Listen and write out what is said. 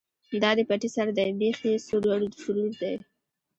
ـ دا دې پټي سر دى ،بېخ يې سورور دى.